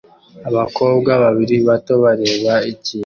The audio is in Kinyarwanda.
Abakobwa babiri bato bareba ikintu